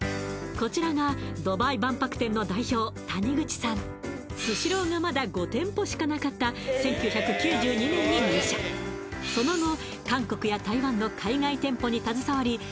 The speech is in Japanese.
こちらがドバイ万博店の代表谷口さんスシローがまだ５店舗しかなかった１９９２年に入社その後韓国や台湾の海外店舗に携わり